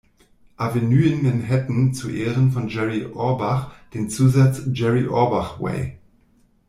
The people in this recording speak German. Avenue in Manhattan zu Ehren von Jerry Orbach den Zusatz "Jerry Orbach Way".